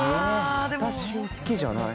「私を好きじゃない」。